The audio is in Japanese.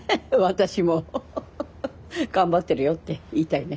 私も頑張ってるよって言いたいね。